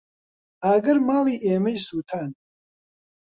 ئاگر ماڵی ئێمەی سوتاند.